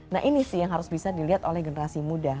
nah ini sih yang harus bisa dilihat oleh generasi muda